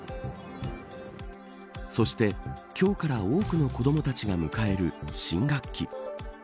そして、今日から多くの子どもたちが迎える新学期。